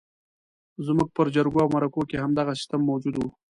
زموږ پر جرګو او مرکو کې همدغه سیستم موجود وو.